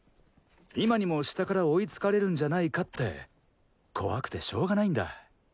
今にも下から追いつかれるんじゃないかって怖くてしょうがないんだ。